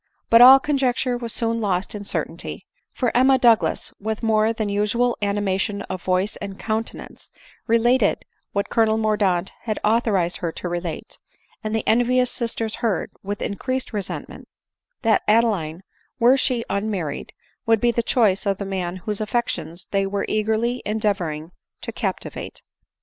But all conjecture was soon lost in cer tainty ; for Emma Douglas, with more than usual anima tion of voice and countenance, related what Colonel Mordaunt had authorized her to relate ;. and the'envious sisters heard, with increased resentment, that Adeline, were she unmarried, would be the choice of the man whose affections they were eagerly endeavoring to cap tivate.